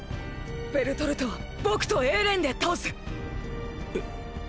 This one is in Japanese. ベルトルトは僕とエレンで倒す！！